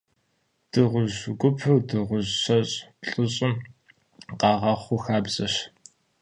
Дыгъужь гупыр дыгъужь щэщӏ-плӏыщӏым къагъэхъу хабзэщ.